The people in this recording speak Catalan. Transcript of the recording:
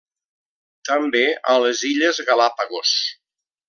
També a les Illes Galápagos.